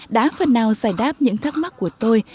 đã phần nào giải đáp những thắc mắc của tôi